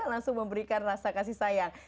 langsung memberikan rasa kasih sayang